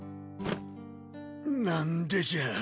何でじゃ